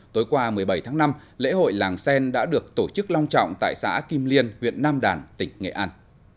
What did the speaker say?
tối qua một mươi bảy tháng năm lễ hội làng sen đã được tổ chức long trọng tại xã kim liên huyện nam đàn tỉnh nghệ an